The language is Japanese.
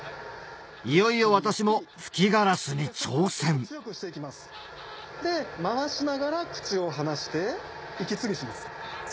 いよいよ私も吹きガラスに挑戦回しながら口を離して息継ぎします。